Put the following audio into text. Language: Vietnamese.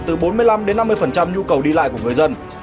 từ bốn mươi năm đến năm mươi nhu cầu đi lại của người dân